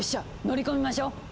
乗り込みましょう！